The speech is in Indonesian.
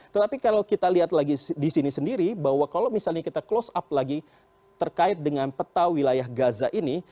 tetapi kalau kita lihat lagi di sini sendiri bahwa kalau misalnya kita close up lagi terkait dengan peta wilayah gaza ini